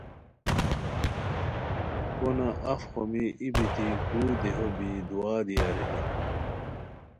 پونہ اف خومی ای بیتی کروئے دیہو بی دُعا دی ارینی